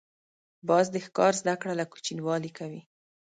باز د ښکار زده کړه له کوچنیوالي کوي